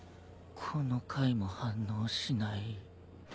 この階も反応しない。